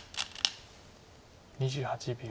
２８秒。